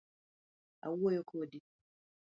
Awuoyo kodi .